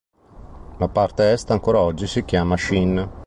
La parte est ancora oggi si chiama Sheen.